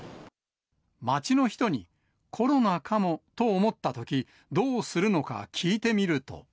街の人に、コロナかもと思ったとき、どうするのか聞いてみると。